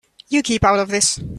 You keep out of this.